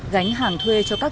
gánh hàng thuê cho các người dân